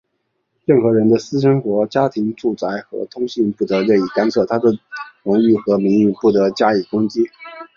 任何人的私生活、家庭、住宅和通信不得任意干涉,他的荣誉和名誉不得加以攻击。